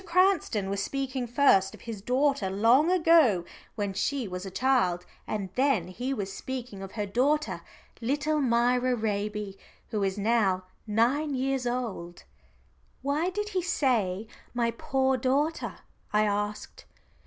Cranston was speaking first of his daughter long ago when she was a child, and then he was speaking of her daughter, little Myra Raby, who is now nine years old." "Why did he say my 'poor' daughter?" I asked.